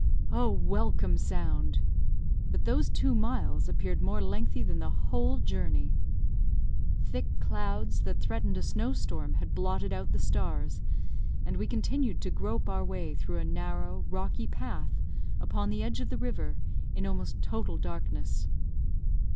Oh, welcome sound! But those two miles appeared more lengthy than the whole journey. Thick clouds, that threatened a snow storm, had blotted out the stars, and we continued to grope our way through a narrow, rocky path, upon the edge of the river, in almost total darkness.